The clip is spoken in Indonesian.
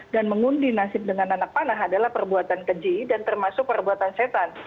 dan mengundi nasib dengan anak panah adalah perbuatan keji dan termasuk perbuatan setan